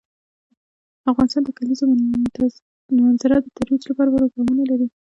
افغانستان د د کلیزو منظره د ترویج لپاره پروګرامونه لري.